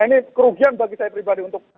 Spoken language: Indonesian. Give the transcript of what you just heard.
ini kerugian bagi saya pribadi untuk